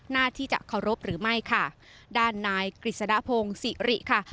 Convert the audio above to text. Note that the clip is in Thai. หน้าที่จะเคารพหรือไม่ค่ะด้านนายกฤษฎรพงศ์สิริค่ะ